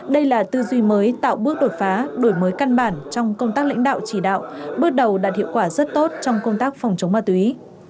đây là tư duy mới tạo bước đột phá đổi mới căn bản trong công tác lãnh đạo chỉ đạo bước đầu đạt hiệu quả rất tốt trong công tác phòng chống ma túy